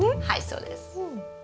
はいそうです。